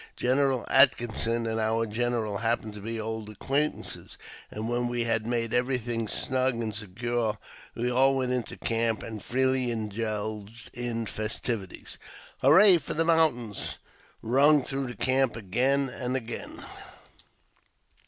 General Atkinson and our general happened to be old acquaintances, and when we had made everything snug and secure, we all went into camp, and freely indulged in festivities. " Hurrah for the Mountains !" rung through the camp again and again.